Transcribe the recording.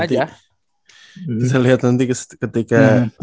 bisa liat nanti ketika